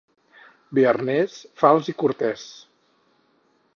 Bearnès, fals i cortès.